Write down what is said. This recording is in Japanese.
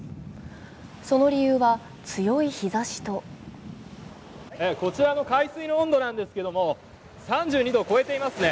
その理由は、強い日ざしとこちらの海水の温度なんですけれども、３２度を超えていますね。